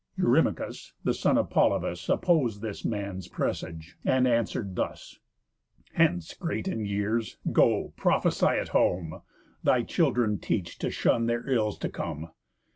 Eurymachus, the son of Polybus, Oppos'd this man's presage, and answer'd thus: "Hence, great in years, go, prophesy at home, Thy children teach to shun their ills to come.